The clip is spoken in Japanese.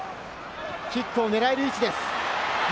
キックを狙える位置です。